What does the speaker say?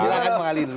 silahkan bang ali